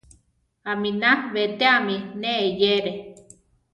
Aminá betéame ne eyéere.